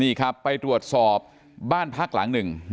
นี่ครับไปกรูดสอบบ้านพทักษ์หลัง๑